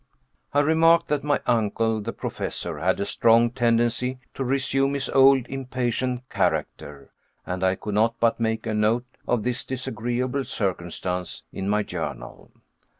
I remarked that my uncle, the Professor, had a strong tendency to resume his old impatient character, and I could not but make a note of this disagreeable circumstance in my journal.